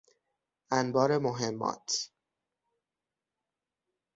انبار مهمات